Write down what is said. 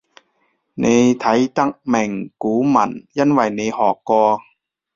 你睇得明古文因為你學過